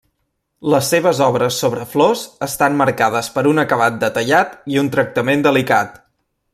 Les seves obres sobre flors estan marcades per un acabat detallat i un tractament delicat.